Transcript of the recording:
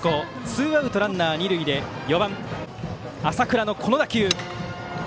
ツーアウトランナー、二塁で４番、浅倉のこの打球。